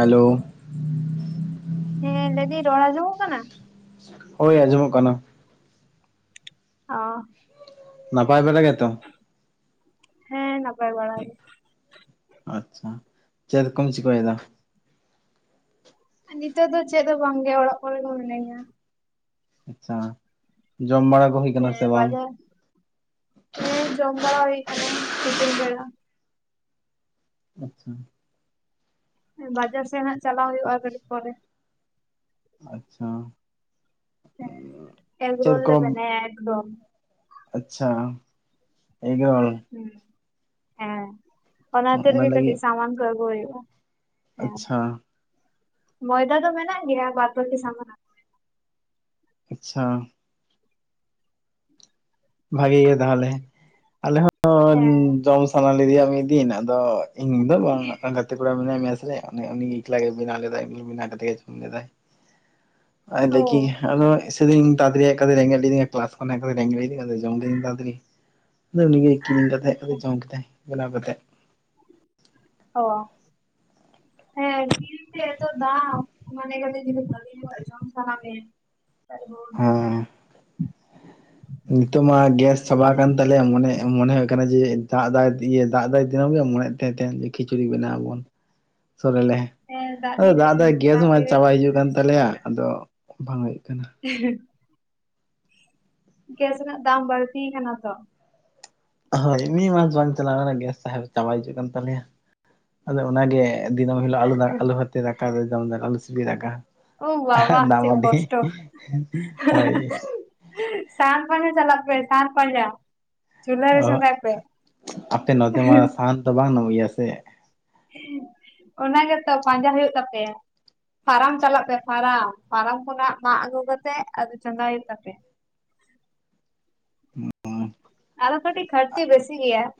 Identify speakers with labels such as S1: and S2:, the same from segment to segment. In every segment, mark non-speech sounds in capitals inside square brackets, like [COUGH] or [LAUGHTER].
S1: ᱦᱮ-ᱞᱳ ᱾
S2: ᱦᱮᱸ, ᱞᱟᱹᱭᱫᱟᱹᱧ ᱨᱚᱲ ᱟᱸᱡᱚᱢᱚᱜ ᱠᱟᱱᱟ?
S1: ᱦᱳᱭ, ᱟᱸᱡᱚᱢᱚᱜ ᱠᱟᱱᱟ ᱾
S2: ᱚᱻ
S1: ᱱᱟᱯᱟᱭ ᱵᱟᱲᱟ ᱜᱮᱛᱚ?
S2: ᱴᱷᱮᱡ ᱦᱮᱸ, ᱱᱟᱯᱟᱭ ᱵᱟᱲᱟ ᱜᱮ ᱾
S1: ᱟᱪ-ᱪᱷᱟ, ᱪᱮᱫ ᱠᱚᱢ ᱪᱤᱠᱟᱹᱭᱮᱫᱟ?
S2: ᱟᱨ ᱱᱤᱛᱚᱜ ᱫᱚ ᱪᱮᱫ ᱦᱚ ᱵᱟᱝᱜᱮ, ᱚᱲᱟᱜ ᱠᱚᱨᱮ ᱜᱮ ᱢᱤᱱᱟᱹᱧᱟ ᱾
S1: ᱟᱪ-ᱪᱷᱟ ᱡᱚᱢ ᱵᱟᱲᱟ ᱼᱼ
S2: ᱦᱮᱸ ᱵᱟᱡᱟᱨ, ᱦᱮᱸ ᱡᱚᱢ ᱵᱟᱲᱟ ᱦᱩᱭ ᱠᱟᱱᱟ ᱛᱤᱠᱤᱱ ᱵᱮᱲᱟ ᱾
S1: ᱟᱸᱪ-ᱪᱷᱟᱸ ᱾
S2: ᱵᱟᱡᱟᱨ ᱥᱮᱜ ᱦᱟᱸᱜ ᱪᱟᱞᱟᱣ ᱦᱳᱭᱳᱜᱼᱟ ᱟᱨ ᱠᱟᱹᱴᱤᱡ ᱯᱚᱨᱮ ᱾
S1: ᱟᱪ-ᱪᱷᱟᱸ
S2: ᱦᱮᱸ,
S1: ᱪᱮᱫ
S2: ᱮᱜᱽᱨᱳᱞ
S1: ᱠᱚ
S2: ᱞᱮ ᱵᱮᱱᱟᱭᱟ ᱮᱜᱽᱫᱚᱢ ᱾
S1: ᱟᱪ-ᱪᱷᱟ, ᱮᱹᱜᱽᱨᱳᱞ ᱾
S2: ᱦᱩᱸ, ᱦᱮᱸ ᱚᱱᱟ ᱛᱤᱨ ᱜᱮ ᱠᱟᱹᱴᱤᱡ ᱥᱟᱢᱟᱱ ᱠᱚ ᱟᱹᱜᱩ ᱦᱳᱭᱳᱜᱼᱟ ᱾ ᱦᱮᱸ,
S1: ᱟᱪᱪᱷᱟ
S2: ᱢᱚᱭᱫᱟ ᱫᱚ ᱢᱮᱱᱟᱜ ᱜᱮᱭᱟ ᱵᱟᱨᱯᱚᱛᱤ ᱥᱟᱢᱟᱱ ᱾
S1: ᱟᱪ-ᱪᱷᱟᱸ ᱾ ᱵᱷᱟᱜᱮᱹ ᱜᱮ ᱛᱟᱦᱞᱮ, ᱟᱞᱮ ᱦᱚᱸ
S2: ᱦᱮᱸ
S1: ᱫᱚᱝ ᱥᱟᱱᱟ ᱞᱤᱫᱮᱭᱟ ᱢᱤᱫ ᱫᱤᱱ ᱟᱫᱚ ᱤᱧ ᱫᱚ ᱵᱟᱝ ᱢᱤᱫᱴᱟᱝ ᱜᱟᱛᱮᱹ ᱠᱚᱲᱟ ᱢᱮᱱᱟᱭᱟ ᱢᱮᱹᱥ ᱨᱮ, ᱩᱱᱤ ᱩᱱᱤᱜᱤ ᱮᱠᱞᱟ ᱜᱮᱭ ᱵᱮᱱᱟᱣ ᱞᱮᱫᱟᱭ, ᱵᱮᱱᱟᱣ ᱠᱟᱛᱮ ᱤᱥᱤᱱ ᱞᱮᱫᱟᱭ ᱾ ᱟᱨ
S2: ᱚ
S1: ᱞᱟᱹᱭᱠᱮᱭᱟ ᱟᱫᱚ ᱥᱮᱫᱤᱱ ᱛᱟᱲᱟᱛᱟᱲᱤ ᱦᱮᱡ ᱠᱟᱛᱮ ᱨᱮᱸᱜᱮᱡ ᱞᱮᱫᱤᱫᱤᱧᱟ ᱠᱞᱟᱥ ᱠᱷᱚᱱ ᱰᱟᱹᱝᱨᱤ [UNINTELLIGIBLE] ᱡᱚᱢ ᱠᱤᱫᱟᱹᱧ ᱵᱟᱫᱽ ᱨᱮ, [UNINTELLIGIBLE] ᱠᱤᱨᱤᱧ ᱠᱟᱛᱮᱜ, ᱟᱫᱚ
S2: ᱟᱪᱪᱷᱟ
S1: ᱡᱚᱢ ᱠᱮᱫᱟᱭ, ᱵᱮᱱᱟᱣ ᱠᱟᱛᱮᱜ ᱾
S2: ᱦᱚ ᱾ ᱦᱮᱸ, ᱠᱤᱨᱤᱱ ᱛᱮ, ᱮᱛᱚ ᱫᱟᱢ ᱾ ᱢᱟᱱᱮ ᱠᱟᱴᱤᱡ ᱧᱚᱜ, ᱵᱷᱟᱜᱤ ᱧᱚᱜ ᱡᱚᱢ ᱥᱟᱱᱟ ᱢᱮ ᱾ [UNINTELLIGIBLE] [INAUDIBLE]
S1: ᱦᱮᱸ ᱱᱤᱛᱚᱜ ᱢᱟ, ᱜᱮᱥ ᱪᱟᱵᱟ ᱟᱠᱟᱱ ᱛᱮ ᱾ ᱟᱞᱮᱭᱟ ᱢᱚᱱᱮ, ᱢᱚᱱᱮ ᱦᱩᱭᱩᱜ ᱠᱟᱱᱟ ᱾ᱡᱮ, ᱫᱟᱜ, ᱫᱟᱭ ᱫᱤᱭᱮ ᱫᱟᱜ ᱫᱟᱭ ᱫᱤᱱᱚᱢ ᱜᱮ, ᱢᱚᱱᱮᱭᱮᱫ ᱛᱟᱦᱮ, ᱸ ᱛᱮᱦᱮᱱ ᱠᱷᱤᱪᱤᱲᱤ ᱵᱮᱱᱟᱣ ᱟᱵᱚᱱ ᱾ ᱥᱚᱨᱮ ᱞᱮ
S2: ᱦᱮᱸ
S1: ᱾ ᱟᱫᱚ,
S2: ᱫᱤᱱ ᱨᱮ
S1: ᱫᱟᱜ ᱫᱟᱭ, ᱜᱮᱥ
S2: ᱫᱟᱜ
S1: ᱢᱟ
S2: ᱫᱤᱱ ᱨᱮ
S1: ᱪᱟᱵᱟ
S2: ᱠᱤᱱᱛᱩ
S1: ᱦᱤᱡᱩᱜ ᱟᱠᱟᱱ,
S2: ᱟᱹᱰᱤ
S1: ᱛᱟᱞᱮᱭᱟ ᱾ ᱟᱫᱚ ᱵᱟᱝ ᱦᱩᱭᱩᱜ ᱠᱟᱱᱟ ᱾
S2: ᱮᱼᱦᱮᱸᱻᱢ ᱾ ᱜᱮᱥ ᱨᱮᱱᱟᱜ, ᱫᱟᱢ ᱵᱟᱹᱲᱛᱤᱭ ᱟᱠᱟᱱᱟ ᱛᱚ ᱾
S1: ᱦᱳᱭ, ᱢᱤᱫ ᱢᱟᱥ ᱵᱟᱝ, ᱪᱟᱞᱟᱣ ᱞᱮᱱᱟ ᱾ ᱜᱮᱥ, ᱥᱟᱦᱮᱵ ᱪᱟᱵᱟ ᱦᱤᱡᱩᱜ ᱠᱟᱱ, ᱛᱟᱞᱮᱭᱟ ᱾ ᱟᱫᱚ, ᱚᱱᱟ ᱜᱮ ᱫᱤᱱᱟᱹᱢ ᱦᱤᱞᱳᱜ, ᱟᱞᱩ, ᱟᱞᱩ ᱵᱷᱟᱛᱮ, ᱫᱟᱠᱟ ᱞᱮ ᱡᱚᱢ ᱮᱫᱟ, ᱟᱞᱩ ᱥᱤᱯᱤ ᱫᱟᱠᱟ
S2: ᱳᱼ, ᱵᱟᱵᱟ
S1: ᱫᱟᱜ
S2: ᱪᱮᱫ
S1: ᱢᱟᱹᱰᱤ
S2: ᱠᱚᱥᱴᱚ?
S1: ᱦᱳᱭ
S2: ᱦᱟᱸᱦᱟᱸᱦᱟᱸᱧ ᱾ ᱥᱟᱸᱧᱼ, [UNINTELLIGIBLE] ᱯᱟᱸᱡᱟ ᱪᱟᱞᱟᱜ ᱯᱮ, [UNINTELLIGIBLE] ᱯᱟᱸᱡᱟ ᱾
S1: ᱚᱦᱼ, ᱟᱯᱮ ᱱᱚᱛᱮ, ᱢᱟ ᱥᱟᱦᱟᱱ ᱫᱚ, ᱵᱟᱝ? ᱱᱟᱢ ᱜᱮᱭᱟ ᱥᱮ ᱾
S2: ᱚᱱᱮ ᱜᱮᱛᱚ, ᱯᱟᱸᱡᱟ ᱦᱩᱭᱩᱜ ᱛᱟᱯᱮᱭᱟ ᱾ ᱯᱷᱟᱨᱟᱢ ᱪᱟᱞᱟᱜ ᱯᱮ, ᱯᱷᱟᱨᱟᱢ, ᱯᱷᱟᱨᱟᱢ ᱠᱷᱚᱱᱟᱜ, ᱢᱟᱜ ᱟᱹᱜᱩ ᱠᱟᱛᱮᱜ, ᱟᱫᱚ ᱪᱚᱸᱫᱟᱭ ᱦᱩᱭᱩᱜ ᱛᱟᱯᱮᱭᱟ ᱾
S1: ᱸ [UNINTELLIGIBLE]
S2: ᱟᱫᱚ ᱠᱟᱹᱴᱤᱡ, ᱠᱷᱟᱨᱴᱤ ᱵᱮᱥᱤ ᱜᱮᱭᱟ ᱾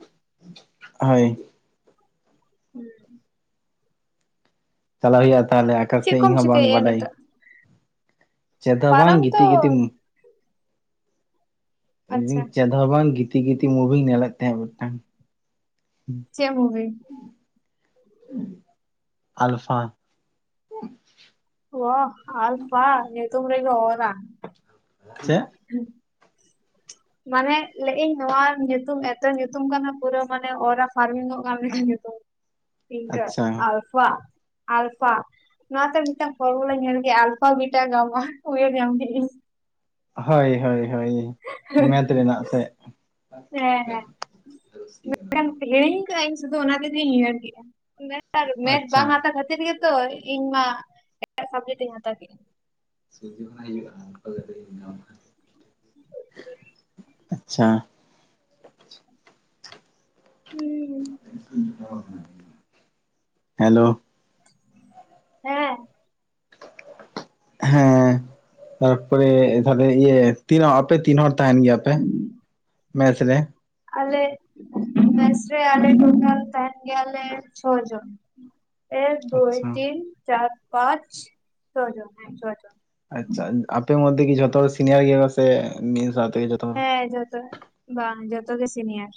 S1: ᱦᱳᱭ ᱾
S2: ᱦᱩᱸ [INAUDIBLE]
S1: ᱪᱟᱞᱟᱣ ᱦᱩᱭᱩᱜᱼᱟ ᱾ ᱛᱟᱦᱚᱞᱮ, ᱟᱠᱟ ᱥᱮ,
S2: ᱪᱮᱫ ᱠᱚᱢ
S1: ᱤᱧ ᱦᱚᱸ ᱵᱟᱝ
S2: ᱪᱤᱠᱟᱹᱭᱮᱫᱼᱟ
S1: ᱵᱟᱰᱟᱭᱟᱧ?
S2: ᱱᱤᱛᱚᱜ
S1: ᱪᱮᱫ ᱦᱚᱸ ᱵᱟᱝ,
S2: ᱯᱷᱟᱨᱟᱢ ᱛᱚ
S1: ᱜᱤᱛᱤ, ᱜᱤᱛᱤ
S2: ᱟᱪᱪᱷᱟ
S1: ᱪᱮᱫ ᱦᱚᱸ ᱵᱟᱝ? ᱜᱤᱛᱤ, ᱜᱤᱛᱤ ᱢᱩᱵᱷᱤᱧ, ᱧᱮᱞᱮᱫ ᱛᱟᱦᱮᱸ ᱢᱤᱫᱴᱟᱝ ᱾
S2: ᱪᱮᱫ ᱢᱩᱵᱷᱤ?
S1: ᱟᱞᱯᱷᱟ ᱾
S2: ᱚᱼ, ᱟᱞᱯᱷᱟ! ᱧᱩᱛᱩᱢ ᱨᱮᱜᱮ ᱚᱨᱟ ᱾
S1: ᱪᱮᱫ?
S2: ᱦᱮᱸ [INAUDIBLE]
S1: [UNINTELLIGIBLE]
S2: ᱢᱟᱱᱮ, ᱞᱮᱜ ᱟᱹᱧ ᱱᱚᱣᱟ ᱧᱩᱛᱩᱢ, ᱮᱛᱚ ᱧᱩᱛᱩᱢ ᱠᱟᱱᱟ ᱯᱩᱨᱟᱹ᱾ ᱢᱟᱱᱮ, ᱚᱨᱟ ᱯᱷᱟᱨᱢᱤᱝᱚᱜ ᱢᱟ, ᱧᱩᱛᱩᱢ ᱾
S1: [INAUDIBLE]
S2: [UNINTELLIGIBLE] ᱟᱞᱯᱷᱟ, ᱟᱞᱯᱷᱟ ᱾ ᱱᱚᱣᱟᱛᱮ, ᱢᱤᱫᱴᱟᱝ ᱯᱷᱨᱢᱩᱞᱟ. ᱩᱭᱟᱦᱟᱨ ᱠᱮᱫᱟ᱾ ᱟᱞᱯᱷᱟ, ᱵᱤᱴᱟ., ‌ ᱜᱟᱢᱟ ᱾ ᱩᱭᱦᱟᱨ ᱧᱟᱢ ᱠᱮᱜᱟᱸᱧ ᱾
S1: ᱦᱳᱭ, ᱦᱳᱭ, ᱦᱳᱭ ᱾ ᱢᱮᱛᱷ ᱨᱮᱱᱟᱜ ᱥᱮ?
S2: ᱦᱮᱸ ᱦᱮᱸ ᱦᱤᱲᱤᱧ, [UNINTELLIGIBLE] ᱤᱧ ᱥᱩᱫᱷᱩ ᱚᱱᱟ, ᱛᱮᱜᱤᱧ ᱩᱭᱦᱟᱹᱨ ᱠᱮᱫᱼᱟ ᱾ ᱢᱮᱱ ᱟᱨ ᱢᱮᱛᱷ
S1: ᱟᱪᱪᱷᱟ
S2: ᱵᱟᱝ, ᱦᱟᱛᱟᱣ ᱠᱷᱟᱛᱤᱨ ᱾ ᱠᱷᱟᱛᱤᱨ ᱜᱮᱛᱚ, ᱤᱧ ᱢᱟ ᱮᱴᱟᱜ ᱥᱟᱵᱡᱮᱠᱴ, ᱤᱧ ᱦᱟᱛᱟᱣ ᱠᱮᱫ-ᱟ ᱾
S1: ᱥᱩᱡᱤ ᱦᱩᱭᱩᱜ ᱟ [INAUDIBLE] ᱤ [INAUDIBLE]
S2: [INAUDIBLE] [UNINTELLIGIBLE]
S1: ᱟᱪᱪᱷᱟ ᱾
S2: ᱩᱸᱻ ᱾
S1: [INAUDIBLE] ᱦᱮᱞᱳ ᱾
S2: ᱦᱮ ᱾
S1: ᱦᱮᱸᱻ, ᱛᱟᱨᱯᱚᱨᱮ, ᱛᱟᱦᱚᱞᱮ ᱤᱭᱟᱹ, ᱛᱤᱱ, ᱟᱯᱮ ᱛᱤᱱ ᱦᱚᱲ? ᱛᱟᱦᱮᱱ ᱜᱮᱭᱟ ᱯᱮ ᱢᱮᱥ ᱨᱮ,
S2: ᱟᱞᱮ ᱢᱮᱥ‌ ᱨᱮ ᱟᱞᱮ ᱴᱳᱴᱟᱞ ᱛᱟᱦᱮᱱ ᱜᱮᱭᱟᱞᱮ ᱪᱷᱚ ᱡᱚᱱ᱾ ᱮᱠ ᱫᱩᱭ
S1: ᱟᱪᱪᱷᱟ
S2: ᱛᱤᱱ ᱪᱟᱨ ᱯᱟᱸᱪ ᱪᱷᱚ ᱡᱚᱱ ᱦᱮᱸ ᱪᱷᱚ ᱡᱚᱱ,
S1: ᱟᱪᱪᱷᱟ ᱟᱯᱮ ᱢᱚᱫᱽᱫᱮ ᱜᱮ ᱡᱚᱛᱚ ᱦᱚᱲ ᱥᱤᱱᱤᱭᱟᱨ ᱜᱮ ᱠᱚ ᱥᱮ ᱢᱤᱫ ᱥᱟᱶᱛᱮ ᱡᱷᱚᱛᱚ, ᱦᱚᱲ
S2: ᱦᱮ ᱡᱷᱚᱛᱚ ᱵᱟᱝ ᱡᱷᱚᱛᱚ ᱜᱮ ᱥᱤᱱᱤᱭᱟᱨ᱾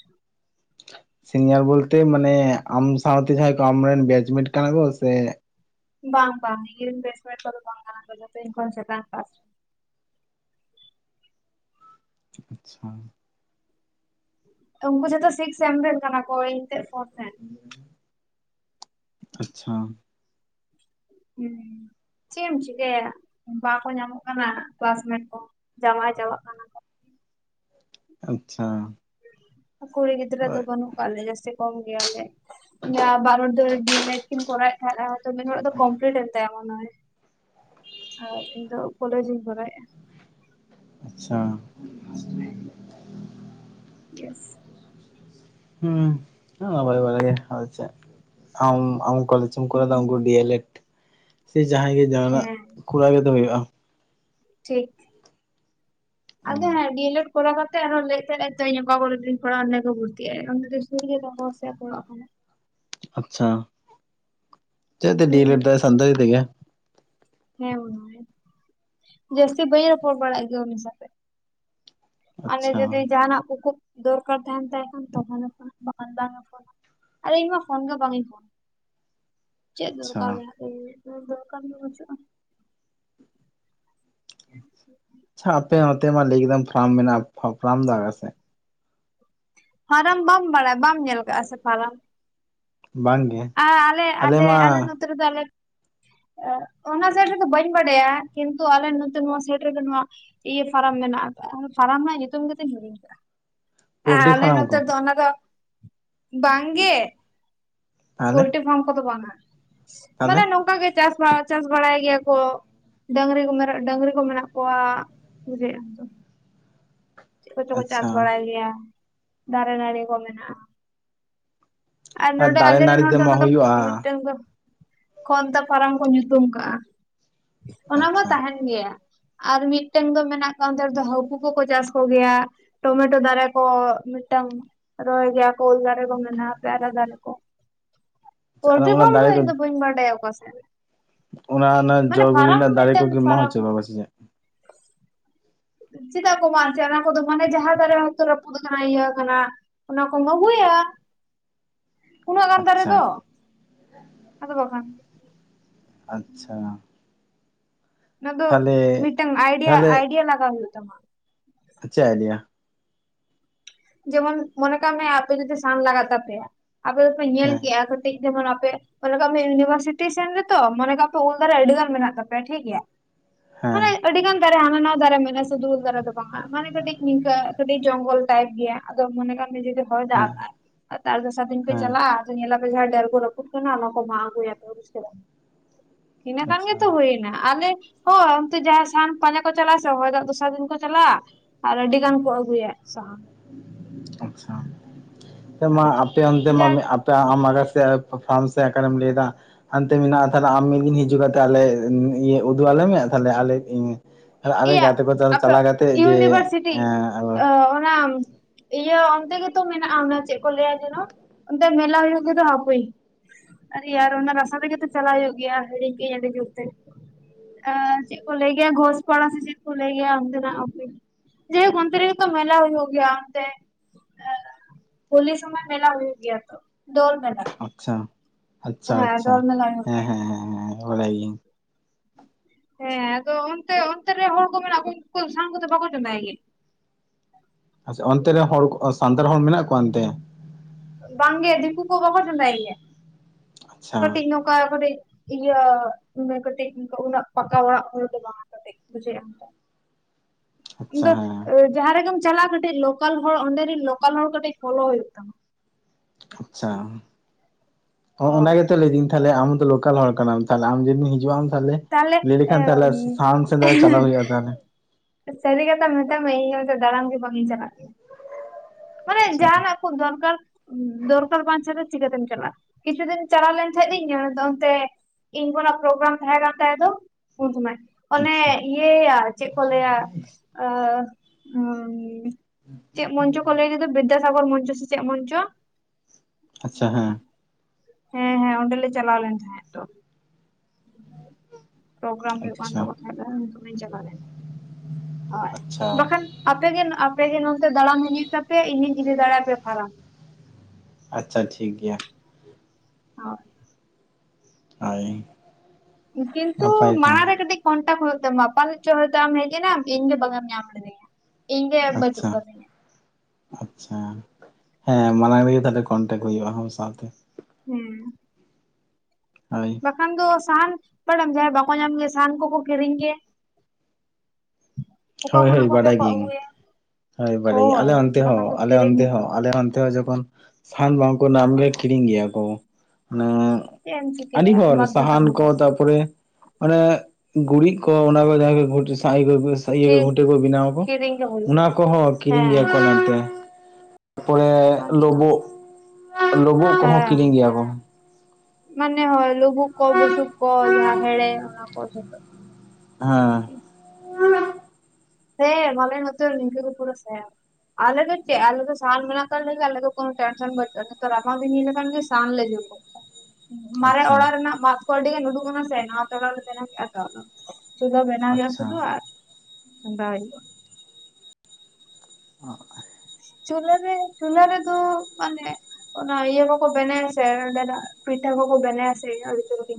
S1: ᱥᱤᱱᱤᱭᱟᱨ ᱵᱚᱞᱛᱮ ᱢᱟᱱᱮ ᱟᱢ ᱥᱟᱶᱛᱮ ᱡᱟᱦᱟᱸᱭ ᱠᱚ ᱟᱢ ᱨᱮᱱ ᱵᱮᱪᱢᱮᱴ ᱠᱟᱱᱟ ᱠᱚ ᱥᱮ,
S2: ᱵᱟᱝ ᱵᱟᱝ ᱤᱧ ᱨᱮᱱ ᱵᱮᱥᱢᱮᱴ ᱵᱟᱝ‌ ᱠᱟᱱᱟ‌ ᱠᱚ ᱡᱷᱚᱛᱚ ᱤᱧ ᱠᱷᱟᱱ ᱪᱮᱛᱟᱱ‌ ᱠᱞᱟᱥ᱾
S1: ᱟᱪᱪᱷᱟ,
S2: ᱩᱱᱠᱩ ᱡᱷᱚᱛᱚ ᱥᱤᱠᱥ ᱥᱮᱢ ᱨᱮᱢ ᱠᱟᱱᱟ ᱠᱚ ᱤᱧ ᱛᱮᱜ ᱯᱷᱳᱨ ᱥᱮᱢ᱾
S1: ᱟᱪᱪᱷᱟ᱾
S2: ᱦᱩᱸ, ᱪᱮᱫ ᱮᱢ ᱪᱤᱠᱟᱹᱭᱟ ᱵᱟᱠᱚ ᱧᱟᱢᱚᱜ ᱠᱟᱱᱟ ᱠᱮᱞᱟᱥᱢᱮᱴ ᱠᱚ ᱡᱟᱶᱟᱭ ᱪᱟᱵᱟᱜ ᱠᱟᱱᱟ‌,
S1: ᱟᱪᱪᱷᱟ
S2: ᱠᱚ ᱠᱩᱲᱤ ᱜᱤᱫᱽᱨᱟᱹ
S1: ᱦᱳᱭ
S2: ᱫᱚ ᱵᱟᱹᱱᱩᱜ ᱠᱟᱜᱞᱮᱭᱟ ᱡᱟᱹᱥᱛᱤ ᱠᱚᱢ ᱜᱮᱭᱟᱞᱮ᱾ ᱵᱟᱨ ᱦᱚᱲ ᱫᱚ ᱰᱤ ᱮᱞ ᱮᱰ ᱠᱤᱱ ᱠᱚᱨᱟᱣᱮᱫ ᱛᱟᱦᱮᱱᱟ ᱛᱚ ᱢᱤᱫ ᱦᱚᱲᱟᱜ ᱫᱚ ᱠᱚᱢᱯᱞᱤᱴ ᱮᱱ ᱛᱟᱭᱟ ᱢᱚᱱᱮ‌ ᱦᱚᱭ, ᱟᱨ ᱤᱧ ᱫᱚ ᱠᱚᱞᱮᱡᱽ ᱤᱧ ᱠᱚᱨᱟᱣᱮᱫᱼᱟ᱾
S1: ᱟᱪᱪᱷᱟ,
S2: ᱤᱭᱮᱥ᱾
S1: ᱦᱩᱸ ᱱᱟᱯᱟᱭ ᱵᱟᱲᱟ ᱜᱮ ᱟᱨ‌ ᱪᱮᱫ‌ ᱟᱢ ᱟᱢ, ᱠᱚᱞᱮᱡᱽ ᱮᱢ ᱠᱚᱨᱟᱣ ᱮᱫᱟ
S2: ᱦᱩᱸ
S1: ᱩᱱᱠᱩ ᱰᱤ ᱮᱞ ᱮᱰ ᱥᱮ ᱡᱟᱦᱟᱸᱭ ᱜᱮ ᱡᱟᱦᱱᱟᱜ
S2: ᱦᱮᱸ
S1: ᱠᱚᱨᱟᱣ ᱜᱮ ᱫᱚ ᱦᱩᱭᱩᱜᱼᱟ᱾
S2: ᱴᱷᱤᱠ ᱟᱫᱚ ᱦᱮ ᱰᱤᱭᱮ ᱞᱮᱴ᱾ ᱠᱚᱨᱟᱣ ᱠᱟᱛᱮᱜ ᱟᱨᱦᱚᱸ ᱞᱟᱹᱭ ᱛᱮᱡ ᱮ ᱛᱮᱡ ᱛᱤᱧ ᱜᱚᱜ [UNINTELLIGIBLE] ᱱᱮ ᱠᱳ ‌ᱵᱷᱩᱨᱛᱤ ᱮ ᱮᱜ ᱠᱟᱱ ᱚᱸᱰᱮ ᱥᱩᱨ ᱜᱮ ᱫᱚᱦᱚ ᱥᱮ ᱠᱳ ᱲᱟᱜ ᱠᱷᱚᱱᱮ᱾
S1: ᱟᱪᱪᱷᱟ ᱪᱮᱜ ᱛᱮᱭ ᱰᱤᱭᱮ
S2: ᱦᱩᱸ
S1: ᱞᱮᱴ ᱫᱟᱭ ᱥᱟᱱᱛᱟᱞᱤ ᱛᱮ ᱜᱮ᱾
S2: ᱦᱮᱸ ᱚᱱᱟ ᱜᱮ ᱡᱟᱹᱥᱛᱤ ᱵᱟᱹᱧ ᱨᱚᱯᱚᱲ ᱵᱟᱲᱟᱜ ᱜᱮᱭᱟ ᱩᱱᱤ‌ ᱥᱟᱣᱛᱮ᱾ ᱟᱞᱮ
S1: ᱟᱪᱪᱷᱟ
S2: ᱡᱩᱫᱤ ᱡᱟᱦᱟᱸ ᱱᱟᱜ ᱠᱩᱼᱠᱩ ᱫᱚᱨᱠᱟᱨ ᱛᱟᱦᱮᱸᱱ ᱛᱟᱭ ᱠᱷᱟᱱ ᱛᱚᱠᱷᱚᱱᱮ ᱯᱷᱳᱱᱟ ᱵᱟᱠᱷᱟᱱ ᱵᱟᱝᱮ ᱯᱷᱳᱱᱟ ᱟᱨ ᱤᱧ ᱢᱟ ᱯᱷᱚᱱ ᱜᱮ ᱵᱟᱝᱤᱧ ᱯᱷᱳᱱᱟ᱾ ᱪᱮᱜ
S1: ᱟᱪᱪᱷᱟ
S2: ᱫᱚᱨᱠᱟᱨ ᱢᱮᱱᱟᱜ ᱛᱟᱭᱟ ᱡᱤ ᱫᱚᱨᱠᱟᱨ ᱜᱮ ᱵᱟᱹᱪᱩᱜ-ᱟ᱾
S1: ᱟᱪᱪᱷᱟ ᱟᱯᱮ ᱱᱚᱛᱮ ᱢᱟ ᱞᱟᱹᱭ ᱠᱮᱫᱟᱢ ᱯᱷᱨᱟᱢ ᱢᱮᱱᱟᱜ-ᱟ ᱯᱷᱚ ᱯᱷᱨᱟᱢ ᱫᱟᱜ ᱥᱮ?
S2: ᱯᱷᱟᱨᱟᱢ ᱵᱟᱢ ᱵᱟᱲᱟᱭᱟ ᱵᱟᱢ ᱧᱮᱞ ᱠᱟᱜ-ᱟ ᱥᱮ ᱯᱷᱟᱨᱟᱢ,
S1: ᱵᱟᱝ ᱜᱮ᱾
S2: ᱟ ᱻᱟᱞᱮ ᱟᱞᱮ ᱼᱟᱞᱮ ᱱᱚᱛᱮ ᱨᱮᱫᱚ ᱟᱞᱮ ᱮᱜ ᱚᱱᱟ ᱥᱟᱭᱤᱰ ᱨᱮᱫᱚ ᱵᱟᱹᱧ ᱵᱟᱰᱟᱭᱟ ᱠᱤᱱᱛᱩ ᱟᱞᱮ ᱱᱚᱛᱮ ᱱᱚᱣᱟ ᱥᱟᱭᱤᱰ ᱨᱮᱫᱚ ᱱᱚᱣᱟ ᱤᱭᱟᱹ ᱯᱷᱟᱨᱟᱢ ᱢᱮᱱᱟᱜ ᱟᱠᱟᱜ-ᱟ ᱯᱷᱟᱨᱟᱢ ᱱᱟᱜ ᱧᱩᱛᱩᱢ ᱜᱮᱛᱩᱧ ᱦᱤᱲᱤᱧ ᱠᱟᱜ-ᱟ᱾
S1: ᱯᱳᱞᱴᱨᱤ
S2: ᱟᱻᱟᱞᱮ
S1: ᱯᱷᱟᱨᱢ
S2: ᱱᱚᱛᱮ
S1: ᱠᱚ
S2: ᱫᱚ ᱚᱱᱟ ᱫᱚ ᱵᱟᱝ ᱜᱮ᱾
S1: ᱛᱟᱦᱚᱞᱮ
S2: ᱯᱚᱞᱴᱤ ᱯᱷᱚᱨᱚᱢ ᱠᱚᱫᱚ ᱵᱟᱝᱟ
S1: ᱛᱟᱦᱚᱞᱮ
S2: ᱢᱟᱱᱮ ᱱᱚᱝᱠᱟ ᱜᱮ ᱪᱟᱥ ᱵᱟᱥ, ᱪᱟᱥ ᱵᱟᱲᱟᱭ ᱜᱮᱭᱟ ᱠᱚ ᱰᱟᱹᱝᱨᱤ ᱠᱚ ᱢᱮᱨᱚᱜ ᱰᱟᱹᱝᱨᱤ ᱠᱚ ᱢᱮᱱᱟᱜ ᱠᱚᱣᱟ ᱵᱩᱡᱷᱟᱹᱣᱮᱜ-ᱟᱢ ᱛᱚ᱾ ᱪᱮᱜ ᱠᱚᱪᱚ ᱠᱚ ᱪᱟᱥ
S1: ᱟᱪᱪᱷᱟ
S2: ᱵᱟᱲᱟᱭ ᱜᱮᱭᱟ ᱫᱟᱨᱮ ᱱᱟᱹᱲᱤ ᱠᱚ ᱢᱮᱱᱟᱜ-ᱟ᱾ ᱟᱨ ᱱᱚᱰᱮ
S1: ᱫᱟᱨᱮ
S2: ᱟᱞᱮ ᱨᱮᱱ
S1: ᱱᱟᱹᱲᱤ
S2: ᱦᱚᱸ ᱫᱚ
S1: ᱛᱮᱢᱟ
S2: ᱚᱱᱟ ᱫᱚ
S1: ᱦᱩᱭᱩᱜᱼᱟ
S2: ᱤᱭᱟᱹ ᱢᱤᱫᱴᱟᱝ ᱫᱚ᱾ ᱠᱷᱚᱱ ᱛᱟ ᱯᱷᱟᱨᱟᱢ ᱠᱚ ᱧᱩᱛᱩᱢ ᱠᱟᱜ-ᱟ ᱚᱱᱟᱢᱟ
S1: ᱟᱪᱪᱷᱟ
S2: ᱛᱟᱦᱮᱸᱱ ᱜᱮᱭᱟ᱾ ᱟᱨ ᱢᱤᱫᱴᱮᱱ ᱫᱚ ᱢᱮᱱᱟᱜ ᱠᱟᱜ ᱚᱱᱛᱮ ᱨᱮ ᱫᱚ ᱦᱟᱹᱠᱩ ᱠᱚᱠᱚ ᱪᱟᱥ ᱠᱚ ᱜᱮᱭᱟ ᱴᱚᱢᱮᱴᱳ ᱫᱟᱨᱮ ᱠᱚ ᱢᱤᱫᱴᱟᱝ ᱨᱚᱦᱚᱭ ᱜᱮᱭᱟ ᱠᱚ ᱩᱞ ᱫᱟᱨᱮ ᱠᱚ ᱢᱮᱱᱟᱜ-ᱟ᱾ ᱥᱮ ᱟᱨᱚ ᱫᱟᱨᱮ ᱠᱚ ᱯᱚᱞᱴᱤ‌
S1: ᱚᱱᱟ
S2: ᱯᱷᱚᱨᱚᱢ ᱫᱚ
S1: ᱫᱟᱨᱮ ᱠᱚ
S2: ᱤᱧ ᱫᱚ ᱵᱟᱹᱧ ᱵᱟᱰᱟᱭᱟ ᱚᱠᱟ ᱥᱮᱜ ᱨᱮ᱾
S1: ᱚᱱᱟ ᱚᱱᱟ ᱡᱚ ᱵᱤᱞᱤ ᱨᱮᱱᱟᱜ ᱫᱟᱨᱮ
S2: ᱢᱤᱫᱴᱮᱱ
S1: ᱠᱩᱜᱮ ᱢᱟᱜ
S2: ᱯᱷᱟᱨᱟᱢ
S1: ᱪᱟᱵᱟ ᱵᱟᱣᱟ ᱥᱮ ᱪᱮᱜ?
S2: ᱪᱮᱫᱟᱜ ᱠᱚ ᱢᱟᱜ ᱚᱪᱚᱭᱟ ᱚᱱᱟ ᱠᱚᱫᱚ ᱦᱟᱸᱵᱮ ᱡᱟᱦᱟᱸ ᱫᱟᱨᱮ ᱦᱚᱭᱛᱚ ᱨᱟᱯᱩᱫ ᱠᱟᱱᱟ ᱤᱭᱟᱹ ᱟᱠᱟᱱᱟ᱾ ᱚᱱᱟ ᱠᱚᱢ ᱟᱹᱜᱩᱭᱟ᱾
S1: [UNINTELLIGIBLE]
S2: ᱩᱱᱟᱹᱜ ᱜᱟᱱ ᱫᱟᱨᱮ
S1: ᱟᱪᱪᱷᱟ
S2: ᱫᱚ, ᱟᱫᱚ ᱵᱟᱝ ᱠᱷᱟᱱ᱾
S1: ᱟᱪᱪᱷᱟ᱾
S2: ᱚᱱᱟ ᱫᱚ
S1: ᱛᱟᱦᱞᱮ
S2: ᱢᱤᱫᱴᱟᱝ ᱟᱭᱰᱤᱭᱟ ᱟᱭᱰᱤᱭᱟ ᱞᱟᱜᱟᱣ ᱦᱩᱭᱩᱜ ᱛᱟᱢᱟ᱾
S1: ᱪᱮᱜ ᱟᱭᱰᱤᱭᱟ?
S2: ᱡᱮᱢᱚᱱ ᱢᱚᱱᱮ ᱠᱟᱜ ᱢᱮ ᱟᱯᱮ ᱡᱩᱫᱤ ᱥᱟᱱ ᱞᱟᱜᱟᱜ ᱛᱟᱯᱮᱭᱟ ᱟᱯᱮ ᱫᱚ ᱯᱮ ᱧᱮᱞ
S1: ᱦᱮᱸ
S2: ᱜᱮᱭᱟ᱾ ᱴᱤᱠ ᱡᱮᱢᱚᱱ ᱟᱯᱮᱼᱼ ᱢᱚᱱᱮ ᱠᱟᱜ ᱢᱮ ᱭᱩᱱᱤᱵᱷᱟᱨᱥᱤᱴᱤ ᱥᱮᱱ ᱨᱮᱛᱚ, ᱢᱚᱱᱮ ᱠᱟᱜ ᱯᱮ ᱩᱞ ᱫᱟᱨᱮ ᱟᱹᱰᱤ ᱜᱟᱱ ᱢᱮᱱᱟᱜ ᱛᱟᱯᱮᱭᱟ ᱴᱷᱤᱠ ᱜᱮᱭᱟ᱾
S1: ᱦᱮᱸ᱾
S2: ᱟᱹᱰᱤ ᱜᱟᱱ ᱫᱟᱨᱮ ᱦᱟᱱᱟ ᱱᱟᱶᱟ ᱫᱟᱨᱮ ᱢᱮᱱᱟᱜ-ᱟ ᱥᱩᱫᱩ ᱩᱞ ᱫᱟᱨᱮ ᱫᱚ ᱵᱟᱝᱼᱟ, ᱢᱟᱱᱮ ᱠᱟᱹᱴᱤᱡ ᱱᱤᱝᱠᱟᱹ ᱠᱟᱹᱴᱤᱡ ᱡᱚᱝᱜᱚᱞ ᱴᱟᱭᱤᱯ᱾ ᱜᱮᱭᱟ ᱟᱫᱚ ᱢᱚᱱᱮ ᱠᱟᱜ ᱢᱮ ᱡᱩᱫᱤ ᱦᱚᱭ ᱫᱟᱜ
S1: ᱦᱮᱸ
S2: ᱟᱠᱟᱜ-ᱟᱭ ᱟᱨ ᱛᱟᱨ ᱫᱚᱥᱟᱨ ᱫᱤᱱ ᱯᱮ
S1: ᱦᱮᱸ
S2: ᱪᱟᱞᱟᱜ-ᱟ᱾ ᱛᱚ ᱧᱮᱞᱟ ᱯᱮ ᱡᱟᱸᱦᱟ ᱰᱮᱨ ᱠᱚ ᱨᱟᱹᱯᱩᱫ ᱠᱟᱱᱟ ᱚᱱᱟ ᱠᱚ ᱢᱟᱜ ᱟᱜᱩᱭᱟ ᱛᱚ ᱵᱩᱪ ᱠᱮᱫᱟᱢ ᱤᱱᱟᱹ ᱠᱷᱟᱱ
S1: ᱟᱪᱪᱷᱟ
S2: ᱜᱮᱛᱚ ᱦᱩᱭᱮᱼᱼ ᱱᱟ ᱟᱞᱮ ᱦᱚᱸ ᱚᱱᱛᱮ ᱡᱟᱸᱦᱟᱭ ᱥᱟᱦᱟᱱ ᱯᱟᱸᱡᱟ ᱠᱚ ᱪᱟᱞᱟᱜ-ᱟ ᱥᱮ ᱦᱚᱭ ᱫᱟᱜ ᱫᱚᱥᱟᱨ ᱫᱤᱱ ᱠᱚ ᱪᱟᱞᱟᱜ-ᱟ᱾ ᱟᱨ ᱟᱹᱰᱤ ᱜᱟᱱ ᱠᱚ ᱟᱹᱜᱩᱭᱟ ᱥᱟᱦᱟᱱ᱾
S1: ᱟᱸᱪᱪᱷᱟ ᱯᱮ ᱢᱟ
S2: ᱟᱫᱚ
S1: ᱟᱯᱮ ᱚᱱᱛᱮ ᱢᱟ
S2: ᱡᱟᱜᱮ
S1: ᱟᱯᱼᱼ ᱴᱟᱜ ᱟᱢ ᱟᱠᱟᱨᱮ ᱥᱮ ‌ ᱯᱷᱚᱢ ᱥᱮ ᱚᱠᱟᱨᱮᱢ ᱞᱟᱹᱭ ᱫᱟ᱾ ᱦᱟᱱᱛᱮ ᱢᱮᱱᱟᱜ-ᱟ ᱛᱟᱦᱚᱞᱮ ᱟᱢ ᱢᱤᱫ ᱢᱤ ᱫᱤᱱ ᱦᱤᱡᱩᱜ ᱠᱟᱛᱮᱜ ᱟᱞᱮ ᱩᱸᱻ ᱱᱤ ᱤᱭᱟᱹ ᱩᱫᱩᱜ ᱟᱞᱮ ᱢᱮ ᱛᱟᱦᱞᱮ ᱟᱞᱮ ᱤᱧ ᱼᱼ
S2: ᱮ ᱭᱟᱜ ᱟᱯᱮᱜ
S1: ᱡᱮ
S2: ᱭᱩᱱᱤᱵᱷᱟᱨᱥᱤᱴᱤ
S1: ᱮᱸ
S2: ᱚᱻ ᱚᱱᱟᱢᱼᱼ ᱤᱭᱟᱹ ᱚᱱᱛᱮ ᱜᱮᱛᱚ ᱢᱮᱱᱟᱜ-ᱟ ᱚᱱᱟ ᱪᱮᱜ ᱠᱚ ᱞᱟᱹᱭᱟ ᱡᱮᱱᱚ ᱚᱱᱛᱮ ᱢᱮᱞᱟ ᱦᱩᱭᱩᱜ ᱜᱮᱫᱚ ᱦᱟᱸᱯᱚᱭᱼᱼ ᱟᱨᱮ ᱭᱟᱨ ᱚᱱᱟ ᱨᱟᱥᱟ ᱛᱮᱜᱮ ᱛᱚ ᱪᱟᱞᱟᱜ ᱦᱩᱭᱩᱜ ᱜᱮᱭᱟ ᱦᱤᱲᱤᱧ ᱠᱤᱜ ᱤᱧ ᱟᱰᱤ‌ ᱡᱩᱨ ᱛᱮ ᱾ ᱟᱸᱻ ᱪᱮᱜ ᱠᱚ ᱞᱟᱹᱭ ᱜᱮᱭᱟ ᱜᱷᱳᱥᱼᱼ ᱯᱟᱲᱟ ᱥᱤ ᱥᱤ ᱠᱚ ᱞᱟᱹᱭ ᱜᱮᱭᱟ ᱚᱱᱛᱮ ᱱᱟᱜ ᱟᱯᱮ ᱦᱮᱸᱠ ᱚᱱᱛᱮ ᱨᱮᱜᱮ ᱛᱚ ᱢᱮᱞᱟ ᱦᱩᱭᱩᱜ ᱜᱮᱭᱟ ᱚᱱᱛᱮᱼᱼ ᱮᱜ ᱦᱳᱞᱤ ᱥᱚᱢᱚᱭ ᱢᱮᱞᱟ ᱦᱩᱭᱩᱜ ᱜᱮᱭᱟ ᱛᱚ ᱰᱳᱞ ᱢᱮᱞᱟ᱾
S1: ᱟᱪᱪᱷᱟ ᱟᱪᱪᱷᱟ
S2: ᱦᱮᱸ
S1: ᱟᱪᱪᱷᱟ
S2: ᱫᱳᱞ ᱢᱮᱞᱟ ᱦᱩᱭᱩᱜ
S1: ᱦᱮᱸ
S2: ᱜᱮᱭᱟ
S1: ᱦᱮᱸ ᱦᱮᱸ ᱦᱮᱸ ᱵᱟᱲᱟᱭ ᱜᱤᱭᱟᱹᱧ᱾
S2: ᱦᱮᱸ ᱟᱫᱚ ᱚᱱᱛᱮ ᱚᱱᱛᱮ ᱨᱮ ᱦᱚᱲ ᱠᱚ ᱢᱮᱱᱟᱜ ᱠᱚ ᱩᱱᱠᱩ ᱥᱟᱱ ᱠᱚᱫᱚ ᱵᱟᱠᱚ ᱪᱚᱸᱫᱟᱭ ᱜᱤ᱾
S1: ᱟᱪᱪᱷᱟ ᱚᱱᱛᱮ ᱨᱮᱱ ᱦᱚᱲ ᱥᱟᱱᱛᱟᱲ ᱦᱚᱲ ᱢᱮᱱᱟᱜ ᱠᱚᱣᱟ ᱚᱱᱛᱮ᱾
S2: ᱵᱟᱝᱜᱮ ᱫᱤᱠᱩ ᱠᱚ ᱵᱟᱝ ᱠᱚ ᱪᱚᱫᱟᱭ ᱜᱮᱭᱟ
S1: ᱟᱪᱪᱷᱟ
S2: ᱠᱟᱹᱴᱤᱪ᱾ ᱚᱠᱟ ᱠᱟᱹᱴᱤᱡ ᱤᱭᱟᱹ ᱠᱟᱹᱴᱤᱡ ᱩᱱᱟᱹᱜ ᱯᱟᱠᱟ ᱚᱲᱟᱜ ᱫᱚ ᱵᱟᱝ ᱟᱛᱟ᱾ ᱤᱧ
S1: ᱟᱪᱪᱷᱟ
S2: ᱫᱚ
S1: ᱦᱮᱸ
S2: ᱡᱟᱸᱦᱟ ᱨᱮᱜᱮᱢ ᱪᱟᱞᱟᱜᱼᱟ ᱠᱟᱴᱤᱡ ᱞᱳᱠᱟᱞ ᱦᱚᱲ ᱚᱚᱱᱰᱮ ᱨᱮᱱ ᱞᱳᱠᱟᱞ ᱦᱚᱲ ᱠᱟᱹᱴᱤᱡ ᱯᱷᱳᱚᱞᱳᱭ ᱦᱩᱭ ᱛᱟᱢᱟ᱾
S1: ᱟᱪᱪᱷᱟ ᱚ ᱚᱱᱟ
S2: ᱦᱳᱭ
S1: ᱜᱮᱛᱚ ᱞᱟᱹᱭ ᱫᱤᱧ᱾ ᱛᱟᱦᱚᱞᱮ ᱟᱢ ᱫᱚ ᱞᱳᱠᱟᱞ ᱦᱚᱲ ᱠᱟᱱᱟ ᱛᱟᱦᱮ ᱟᱢ ᱡᱤᱤᱱ ᱦᱤᱡᱩᱜᱼᱟᱢ ᱛᱟᱦᱮᱞᱮ᱾
S2: ᱛᱟᱦᱚᱞᱮ
S1: ᱞᱟᱹᱭ ᱞᱮᱠᱷᱟᱱ ᱛᱟᱦᱚᱞᱮ ᱥᱟᱦᱟᱱ ᱪᱟᱞᱞᱟᱣ ᱦᱩᱭᱩᱜᱼᱟ ᱛᱟᱦᱚᱞᱮ᱾
S2: ᱥᱟᱹᱨᱤ ᱠᱟᱛᱷᱟ ᱢᱮᱛ ᱢᱮ ᱤᱧ ᱫᱟᱲᱟᱱ ᱜᱮ ᱵᱟᱝᱟᱹᱧ ᱪᱟᱞᱟᱜ ᱜᱮᱭᱟ᱾ ᱢᱟᱱᱮ
S1: ᱟᱪᱪᱷᱟ
S2: ᱡᱟᱦᱟᱱᱟ ᱠᱚ ᱫᱚᱨᱠᱟᱨ᱾ ᱫᱚᱨᱠᱟᱨ ᱵᱟᱝᱠᱷᱟᱱ ᱫᱚ ᱪᱤᱠᱟ ᱛᱮᱢ ᱪᱟᱞᱟᱜᱼᱟ ᱠᱤᱪᱷᱩ ᱫᱤᱱ ᱪᱟᱞᱟᱣ ᱞᱮᱱ ᱠᱷᱟᱱ ᱫᱚᱤᱧ ᱚᱱᱛᱮ᱾ ᱤᱧ ᱠᱷᱚᱱᱟᱜ ᱯᱨᱳᱜᱨᱟᱢ ᱛᱟᱸᱦᱮ ᱠᱟᱱ ᱛᱟᱭ ᱫᱚ ᱩᱱ [INAUDIBLE] ᱚᱱᱮ
S1: ᱟᱪᱪᱷᱟ
S2: ᱤᱭᱟᱹᱭᱟ ᱪᱮᱫ ᱠᱚ ᱞᱟᱹᱭᱟ ᱟᱻᱩᱸ ᱪᱮᱫ ᱢᱚᱧᱪ ᱠᱚ ᱞᱟᱹᱭ ᱛᱚ ᱵᱤᱫᱥᱟᱜᱚᱨ ᱢᱚᱧᱪ ᱥᱮ ᱪᱮᱫ ᱢᱚᱧᱪ᱾
S1: ᱟᱪᱪᱷᱟ ᱦᱮᱸ
S2: ᱦᱮᱸ ᱦᱮᱸ ᱚᱸᱰᱮᱞᱮ ᱪᱟᱞᱟᱣ ᱞᱮᱱ ᱛᱟᱦᱮᱸᱜ ᱫᱚ᱾ ᱯᱨᱜᱨᱟᱢ ᱦᱩᱭᱩᱜ ᱠᱟᱱ
S1: ᱟᱪᱪᱷᱟ
S2: ᱛᱟᱵᱚᱱ ᱠᱷᱟᱱ ᱩᱱ ᱥᱚᱢᱚᱭ ᱤᱧ ᱪᱟᱞᱟᱣ ᱞᱮᱱᱟ᱾ ᱦᱳᱭ
S1: ᱟᱪᱪᱷᱟ
S2: ᱵᱟᱠᱷᱟᱱ ᱟᱯᱮᱜ ᱜᱮ ᱟᱯᱮᱜ ᱜᱮ ᱱᱛᱮ ᱫᱟᱬᱟᱱ ᱦᱤᱡᱩᱭ ᱛᱟᱯᱮ ᱤᱧᱤᱧ ᱤᱫᱤ ᱫᱟᱟᱲᱮᱭᱟᱯᱮᱭᱟ ᱯᱷᱟᱨᱟᱢ᱾
S1: ᱟᱪᱪᱷᱟ ᱴᱷᱤᱠ ᱜᱮᱭᱟ᱾
S2: ᱦᱳᱭ
S1: ᱦᱳᱭ᱾
S2: ᱠᱤᱱᱛᱩ
S1: ᱱᱟᱯᱟᱭ
S2: ᱢᱟᱬᱟᱝ
S1: ᱛᱟᱦᱚᱞᱮ
S2: ᱨᱮ ᱠᱟᱹᱴᱤᱡ ᱠᱚᱱᱴᱟ ᱦᱩᱭᱩᱜ ᱛᱚᱢᱟ, ᱯᱟᱞᱮ ᱛᱚ ᱟᱢ ᱦᱮᱡᱮᱢ ᱞᱮᱱᱟᱢ ᱤᱧ ᱵᱟᱢ ᱧᱟᱢ ᱠᱤᱫᱤᱧᱟᱢ᱾ ᱤᱧ ᱜᱮ ᱵᱟᱪᱩᱜ
S1: ᱟᱪᱪᱷᱟ
S2: ᱟᱠᱟᱫ ᱫᱤᱧᱟ᱾
S1: ᱟᱪᱪᱷᱟ, ᱦᱮᱸ ᱢᱟᱲᱟᱝ ᱨᱮᱜᱮ ᱛᱟᱦᱚᱞᱮ ᱠᱚᱱᱴᱮᱠ ᱦᱩᱭᱩᱜᱼᱟ, ᱟᱢ ᱥᱟᱶ ᱛᱮ᱾
S2: ᱦᱮᱸ᱾
S1: ᱦᱳᱭ᱾
S2: ᱵᱟᱠᱷᱟᱱ ᱫᱚ ᱥᱟᱦᱟᱱ ᱡᱟᱦᱟᱸ ᱵᱟᱠᱚ ᱧᱟᱢ ᱜᱮ, ᱥᱟᱦᱟᱱ ᱠᱚᱠᱚ ᱠᱤᱨᱤᱧ ᱜᱮ ᱚᱠᱟ ᱠᱷᱚᱱᱟᱜ
S1: ᱦᱳᱭ,
S2: ᱠᱚᱪᱚ
S1: ᱵᱟᱰᱟᱭ
S2: ᱠᱚ
S1: ᱜᱤᱭᱟᱹᱧ᱾
S2: ᱟᱹᱜᱩᱭᱟ
S1: ᱦᱳᱭ ᱵᱟᱲ ᱟᱞᱮ ᱚᱱᱛᱮ ᱦᱚᱸ,
S2: ᱵᱟᱠᱷᱟᱱ ᱫᱚ
S1: ᱟᱞᱮ
S2: ᱠᱤᱨᱤᱧ
S1: ᱚᱱᱛᱮ
S2: ᱦᱩᱭᱩᱜ
S1: ᱦᱚᱸ
S2: ᱛᱟᱢᱟ
S1: ᱟᱞᱮ ᱚᱱᱛᱮ ᱦᱚᱸ ᱡᱚᱠᱷᱚᱱ ᱥᱟᱦᱟᱱ ᱵᱟᱝ ᱠᱚ ᱱᱟᱢ ᱜᱮ, ᱠᱤᱨᱤᱧ ᱜᱮᱭᱟ ᱠᱚ᱾ ᱢᱟᱱᱮ
S2: ᱪᱮᱫ ᱮᱢ
S1: ᱟᱹᱰᱤ
S2: ᱪᱤᱠᱟᱹᱭᱟ
S1: ᱦᱚᱲ
S2: ᱵᱟᱫᱽᱫᱷᱚᱛᱟ
S1: ᱥᱟᱦᱟᱱ ᱠᱚ
S2: ᱢᱩᱞᱚᱠ
S1: ᱛᱟᱨᱯᱚᱨᱮ ᱢᱟᱱᱮ ᱜᱩᱨᱤᱡ ᱠᱚ᱾ ᱚᱱᱟ ᱠᱚ ᱡᱟᱦᱟᱸ [UNINTELLIGIBLE] ᱠᱚ ᱤᱭᱟᱹ
S2: ᱴᱷᱤᱠ
S1: ᱜᱷᱩᱱᱴᱮ ᱠᱚ ᱵᱮᱱᱟᱣᱟ ᱫᱚ,
S2: ᱠᱤᱨᱤᱧ ᱜᱮ ᱦᱩᱭᱩᱜᱼᱟ
S1: ᱚᱱᱟ ᱠᱚᱦᱚᱸ ᱠᱤᱨᱤᱧ ᱜᱮᱭᱟ
S2: ᱦᱮᱸ
S1: ᱠᱚ ᱟᱞᱮ ᱱᱚᱛᱮ᱾ ᱛᱟᱨᱯᱚᱨᱮ
S2: ᱟᱪᱪᱷᱟ
S1: ᱞᱩᱵᱩᱜ, ᱞᱩᱵᱩᱜ ᱠᱚᱦᱚᱸ
S2: ᱦᱮᱸ
S1: ᱠᱤᱨᱤᱧ ᱜᱮᱭᱟ ᱠᱚ᱾
S2: ᱢᱟᱱᱮ ᱦᱳᱭ ᱞᱩᱵᱩᱜ ᱠᱚ, ᱵᱩᱥᱩᱠ ᱠᱚ, ᱡᱟᱦᱟᱸ ᱦᱮᱲᱮ ᱚᱱᱟ ᱠᱚ ᱡᱚᱛᱚ
S1: ᱦᱮᱸ᱾
S2: ᱥᱮ ᱢᱟᱞᱮ ᱱᱚᱛᱮ [UNINTELLIGIBLE] ᱜᱮ ᱯᱩᱨᱟᱹ ᱥᱮᱢ᱾ ᱟᱞᱮ ᱫᱚ ᱪᱮᱫ ᱟᱞᱮ ᱫᱚ ᱥᱟᱦᱟᱱ ᱢᱮᱱᱟᱜ ᱛᱟᱞᱮ ᱫᱚ, ᱴᱮᱱᱥᱚᱱ ᱵᱟᱱᱩᱜ ᱨᱟᱹᱵᱟᱝ ᱫᱤᱱ ᱦᱩᱭ ᱞᱮᱠᱷᱟᱱ ᱜᱮ ᱥᱟᱦᱟᱱ ᱞᱮ ᱟᱜᱩᱭᱟ᱾ ᱢᱟᱨᱮ
S1: ᱟᱪᱪᱷᱟ
S2: ᱚᱲᱟᱜ ᱨᱮᱱᱟᱜ ᱢᱟᱫ ᱠᱚ ᱟᱹᱰᱤᱜᱮ ᱩᱰᱩᱠ ᱠᱟᱱᱟ ᱥᱮ ᱱᱟᱶᱟᱛᱮ ᱚᱲᱟᱜ ᱞᱮ ᱵᱮᱱᱟᱣᱟ ᱠᱮᱫᱟ ᱛᱚ᱾ ᱥᱩ ᱫᱚ ᱵᱮᱱᱟᱣ ᱜᱮᱭᱩᱜᱼᱟ,
S1: ᱟᱪᱪᱷᱟ
S2: ᱥᱩᱫᱩ ᱟᱨ ᱪᱚᱸᱫᱟ ᱦᱩᱭᱩᱜᱼᱟ᱾
S1: [UNINTELLIGIBLE]
S2: ᱪᱩᱞᱦᱟᱹ ᱨᱮ ᱪᱩᱞᱦᱟᱹ ᱨᱮ ᱫᱚ ᱢᱟᱱᱮ ᱚᱱᱟ ᱚᱱᱟ ᱤᱭᱟᱹ ᱠᱚ ᱠᱚ ᱵᱮᱱᱟᱣᱼᱟ ᱥᱮ ᱯᱤᱴᱷᱟᱹ ᱠᱚ ᱠᱚ ᱵᱮᱱᱟᱣᱮ ᱟᱥᱮ ᱟᱹᱰᱤ ᱡᱩᱨ ᱜᱮ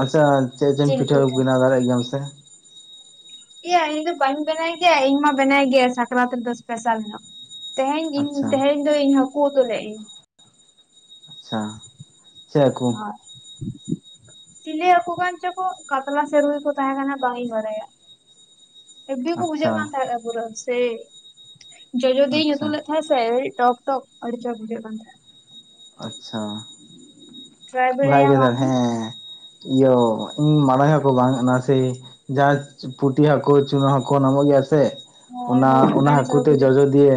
S1: ᱟᱪᱪᱷᱟ, ᱪᱮᱫ ᱪᱚᱝ ᱯᱤᱴᱷᱟᱹ ᱠᱚ ᱵᱤᱱ ᱵᱮᱱᱟᱣ ᱫᱟᱲᱮᱭᱟᱜ ᱜᱮᱭᱟ ᱥᱮ?
S2: ᱤᱭᱟᱹ ᱤᱧ ᱫᱚ ᱵᱚᱧ ᱵᱮᱱᱟ ᱜᱮ, ᱤᱧ ᱢᱟ ᱵᱮᱱᱟ ᱜᱮ ᱥᱟᱹᱠᱨᱟᱛ ᱫᱚ ᱮᱥᱯᱮᱥᱟᱞᱚ ᱧᱚᱜ᱾ ᱛᱮᱦᱮᱧ ᱤᱧ
S1: ᱟᱪᱪᱷᱟ
S2: ᱛᱮᱦᱮᱧ ᱫᱚ ᱤᱧ ᱦᱟᱹᱠᱩ ᱩᱛᱩ ᱞᱮᱫ ᱤᱧ᱾
S1: ᱟᱪᱪᱷᱟ, ᱪᱮᱫ ᱦᱟᱹᱠᱩ?
S2: ᱟᱨ ᱪᱤᱞᱤ ᱦᱟᱹᱠᱩ ᱠᱟᱱ ᱪᱚ ᱠᱚ? ᱠᱟᱛᱞᱟ ᱥᱮ ᱨᱩᱭ ᱜᱮ ᱠᱚ ᱛᱟᱦᱮᱸ ᱠᱟᱱᱟ ᱵᱟᱝ ᱤᱧ ᱵᱟᱲᱟᱭᱟ᱾ ᱮᱵᱤ ᱠᱚ
S1: ᱟᱪᱪᱷᱟ
S2: ᱵᱩᱡᱷᱟᱹᱜ ᱠᱟᱱ ᱛᱟᱦᱮᱼᱟ ᱯᱩᱨᱟᱹ ᱥᱮᱭ ᱡᱚᱡᱚᱫᱤᱭᱮ
S1: ᱟᱪᱪᱷᱟ
S2: ᱩᱛᱩ ᱞᱮᱛᱚ ᱥᱮ ᱴᱚᱠ ᱴᱚᱠ ᱟᱹᱰᱤ ᱪᱚᱨᱠᱚ ᱵᱩᱡᱟᱹᱣᱟ ᱛᱟᱦᱮᱱᱟ᱾
S1: ᱟᱪᱪᱷᱟ,
S2: ᱴᱨᱟᱭ
S1: ᱵᱟᱲᱟᱭ ᱜᱮ
S2: ᱵᱟᱲᱟᱭᱟᱢ
S1: ᱛᱚ
S2: ᱟᱢ ᱦᱚᱸ
S1: ᱦᱮᱸ᱾ ᱤᱭᱟᱹ ᱤᱧ ᱢᱟᱲᱟᱝ ᱦᱚᱸ ᱠᱚ ᱵᱟᱝ ᱠᱟᱱᱟ ᱥᱮ ᱡᱟᱸ ᱯᱩᱴᱤ ᱦᱟᱹᱠᱩ, ᱪᱩᱱᱟ ᱦᱟᱹᱠᱩ ᱧᱟᱢᱚᱜ ᱜᱮ ᱥᱮ? ᱥᱮ
S2: ᱦᱳᱭ
S1: ᱚᱱᱟ
S2: ᱦᱳᱭ
S1: ᱚᱱᱟ
S2: ᱟᱹᱰᱤ
S1: ᱦᱟᱹᱠᱩ
S2: ᱪᱚᱨᱚᱠ
S1: ᱛᱮ
S2: ᱵᱩᱡᱷᱟᱹᱜ
S1: ᱡᱚᱡᱚ
S2: ᱠᱟᱱᱟ,
S1: ᱫᱤᱭᱮ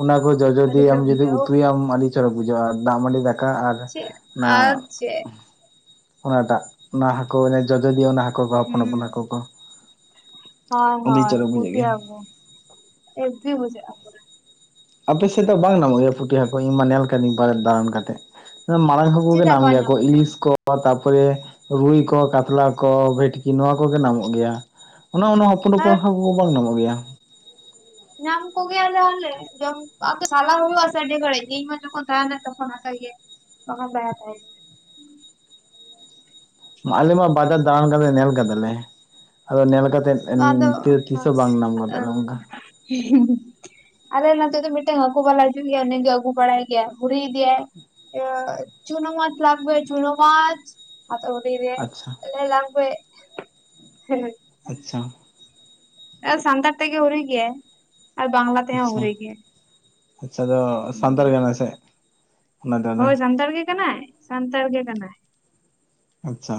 S1: ᱚᱱᱟ ᱠᱚ ᱡᱚᱡᱚ
S2: ᱟᱹᱰᱤ
S1: ᱫᱤᱭᱮᱢ
S2: ᱪᱚᱨᱚᱠ
S1: ᱡᱩᱫᱤ
S2: ᱵᱩᱡᱷᱟᱹᱜᱼᱟ ᱩᱯᱷ
S1: ᱩᱛᱩᱭ ᱟᱢ, ᱟᱹᱰᱤ ᱪᱚᱨᱚᱠ ᱵᱩᱡᱷᱟᱹᱜᱼᱟ᱾ ᱫᱟᱜ ᱢᱟᱺᱰᱤ ᱫᱟᱠᱟ ᱫᱟᱠᱟ ᱟᱨ
S2: ᱪᱮᱫ
S1: ᱚᱱᱟ
S2: ᱟᱨ ᱪᱮᱫ
S1: ᱚᱱᱟᱴᱟᱜ ᱚᱱᱟ ᱦᱟᱹᱠᱩ ᱡᱚᱡᱚᱫᱤᱭᱟᱹ, ᱚᱱᱟ ᱦᱟᱹᱠᱩ ᱠᱚ ᱦᱚᱯᱚᱱ
S2: ᱦᱩᱸ
S1: ᱦᱚᱯᱚᱱ ᱦᱟᱹᱠᱩ ᱠᱚ,
S2: ᱦᱳᱭ
S1: ᱟᱹᱰᱤ
S2: ᱦᱳᱭ,
S1: ᱪᱚᱨᱚᱠ ᱵᱩᱡᱷᱟᱹᱜ
S2: ᱯᱩᱴᱤ
S1: ᱜᱮᱭᱟ
S2: ᱦᱟᱹᱠᱩ ᱟ. ᱵᱤ ᱴᱷᱤᱠ ᱵᱩᱡᱷᱟᱜᱼᱟ᱾
S1: ᱟᱯᱮ ᱥᱮᱫ ᱫᱚ ᱵᱟᱝ ᱧᱟᱢᱚᱜ ᱜᱮᱭᱟ, ᱯᱩᱴᱷᱤ ᱦᱟᱹᱠᱩ ᱤᱧ ᱢᱟ ᱧᱮᱞ ᱠᱟᱹᱫᱤᱧ ᱯᱟᱨᱭᱮᱫ ᱫᱟᱲᱟᱱ ᱠᱟᱛᱮ ᱢᱟᱲᱟᱝ ᱦᱟᱠᱩ ᱜᱮ
S2: ᱪᱮᱫᱟᱜ
S1: ᱧᱟᱢ
S2: ᱵᱟᱝ
S1: ᱜᱮᱭᱟ ᱠᱚ,
S2: ᱧᱟᱢᱚᱜ
S1: ᱤᱞᱤᱥ ᱠᱚ ᱛᱟᱨᱯᱚᱨᱮ ᱨᱩᱭ ᱠᱚ, ᱠᱟᱛᱞᱟ ᱠᱚ, ᱵᱷᱤᱴᱠᱤ ᱱᱚᱣᱟ ᱠᱚᱜᱮ ᱧᱟᱢᱚᱜ ᱜᱮᱭᱟ᱾ ᱚᱱᱮ ᱚᱱᱟ ᱦᱚᱯᱚᱱ ᱦᱚᱯᱚᱱ
S2: ᱟᱨ
S1: ᱦᱚᱯᱚᱱ ᱵᱟᱝ ᱧᱟᱢᱚᱜ ᱜᱮᱭᱟ᱾
S2: ᱧᱟᱢ ᱠᱚ ᱜᱮᱭᱟᱞᱮ ᱟᱞᱮ ᱡᱚᱢ ᱥᱟᱞᱟ ᱦᱩᱭᱩᱜᱼᱟ ᱥᱮ ᱤᱧ ᱢᱟ ᱡᱚᱠᱷᱚᱱ ᱛᱟᱦᱮᱱᱟ ᱛᱚᱠᱷᱚᱱ ᱦᱟᱛᱟ ᱜᱮᱭᱟ. ᱧ ᱛᱚᱠᱷᱚᱱ ᱫᱟᱭᱟ ᱛᱟ
S1: ᱟᱞᱮ ᱢᱟ ᱵᱟᱡᱟᱨ ᱫᱟᱬᱟᱱ ᱠᱟᱛᱮ ᱧᱮᱞ ᱟᱠᱟᱫᱟᱞᱮ, ᱟᱫᱚ ᱧᱮᱞ ᱠᱟᱛᱮᱜ
S2: ᱟᱫᱚ
S1: ᱛᱤᱥ ᱦᱚᱸ ᱵᱟᱝ ᱧᱟᱢ ᱠᱟᱫᱟ
S2: ᱟᱸ
S1: ᱱᱚᱝᱠᱟ᱾
S2: [UNINTELLIGIBLE] ᱟᱞᱮ ᱱᱚᱛᱮ ᱫᱚ ᱢᱤᱫᱴᱟᱝ ᱦᱟᱹᱠᱩ ᱵᱟᱞᱟ ᱦᱤᱡᱩᱜ ᱜᱮᱭᱟ ᱩᱱᱤ ᱜᱮ ᱟᱹᱜᱩ ᱵᱟᱲᱟᱭ ᱜᱮᱭᱟᱭ ᱦᱩᱨᱤ ᱤᱫᱮᱭᱟᱭ᱾ ᱪᱩᱱᱳ ᱢᱟᱪ ᱞᱟᱜᱵᱮ ᱪᱩᱱᱳ ᱢᱟᱪ᱾
S1: ᱟᱪᱪᱷᱟ
S2: [UNINTELLIGIBLE]
S1: ᱟᱪᱪᱷᱟ
S2: ᱥᱟᱱᱛᱟᱲ ᱛᱮᱜᱮ ᱦᱩᱨᱤ ᱜᱮᱭᱟᱭ ᱟᱨ ᱵᱟᱝᱞᱟ ᱛᱮᱦᱚᱸ
S1: ᱟᱪᱪᱷᱟ
S2: ᱦᱩᱨᱤ ᱜᱮᱭᱟᱭ᱾
S1: ᱟᱪᱪᱷᱟ, ᱫᱚ ᱥᱟᱱᱛᱟᱲ ᱠᱟᱱᱟᱭ ᱥᱮ ᱚᱱᱟ ᱫᱚ ᱟᱫᱚ
S2: ᱦᱳᱭ ᱥᱟᱱᱛᱟᱲ ᱜᱮ ᱠᱟᱱᱟᱭ, ᱥᱟᱱᱛᱟᱲ ᱜᱮ ᱠᱟᱱᱟᱭ᱾
S1: ᱟᱪᱪᱷᱟ,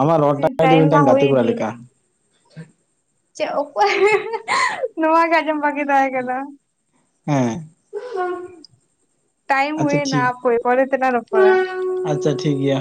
S1: ᱟᱢᱟᱜ ᱨᱚᱲ ᱴᱟᱜ
S2: ᱴᱟᱭᱤᱢ ᱢᱟ
S1: ᱢᱤᱫᱴᱟᱝ
S2: ᱦᱩᱭ
S1: ᱜᱟᱛᱮ ᱠᱚᱲᱟ ᱞᱮᱠᱟ᱾
S2: ᱤᱫᱤᱭᱮᱱᱟ ᱪᱮᱫ? ᱚᱠᱚᱭ [UNINTELLIGIBLE] ᱱᱚᱣᱟ ᱜᱮ ᱟᱸᱡᱚᱢ ᱵᱟᱹᱜᱤ ᱛᱟᱦᱮᱸ ᱠᱟᱱᱟ᱾
S1: ᱦᱮᱸ
S2: ᱴᱟᱭᱤᱢ
S1: ᱟᱪᱪᱷᱟ
S2: ᱦᱩᱭ ᱮᱱᱟ
S1: ᱴᱷᱤᱠ
S2: ᱦᱟᱯᱮ ᱯᱚᱨᱮ ᱛᱮᱞᱟᱝ ᱨᱚᱯᱚᱲᱟ ᱾
S1: ᱟᱪᱪᱷᱟ ᱴᱷᱤᱠ ᱜᱮᱭᱟ᱾